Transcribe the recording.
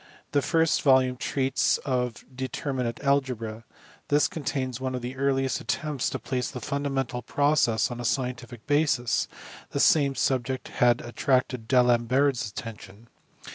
The first volume treats of determinate algebra. This contains one of the earliest attempts to place the fundamental processes on a scientific basis : the same subject had attracted D Alembert a attention.